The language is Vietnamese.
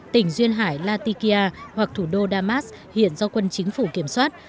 tỉnh duyên hải latikia hoặc thủ đô damas hiện do quân chính phủ kiểm soát